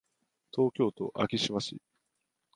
東京都昭島市